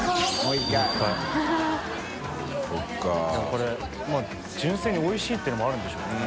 これ純粋においしいっていうのもあるんでしょうね。